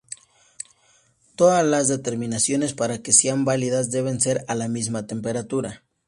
Todas las determinaciones para que sean válidas deben ser a la misma temperatura.